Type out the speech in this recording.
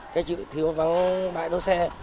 chữ thiếu vắng bãi đỗ xe